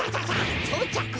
そうちゃく！